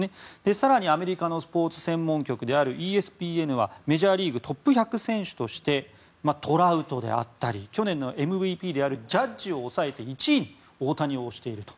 更に、アメリカのスポーツ専門局であるＥＳＰＮはメジャーリーグトップ１００選手としてトラウトであったり去年のＭＶＰであるジャッジを抑えて１位に大谷を推していると。